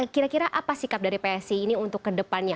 kira kira apa sikap dari psi ini untuk kedepannya